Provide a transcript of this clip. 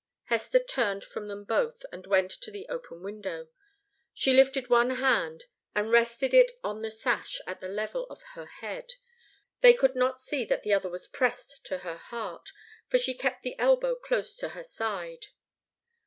Hester turned from them both and went to the open window. She lifted one hand and rested it on the sash at the level of her head. They could not see that the other was pressed to her heart, for she kept the elbow close to her side.